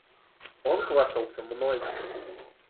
Он хвастался мной.